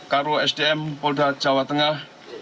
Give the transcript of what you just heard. karo sdm polda jawa tengah